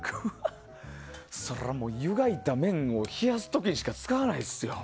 ゆがいた麺を冷やす時しか使わないですよ。